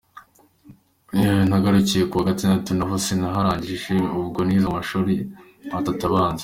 Nagarukiye mu wa Gatatu naho sinaharangije, ubwo nize amashuri atatu abanza.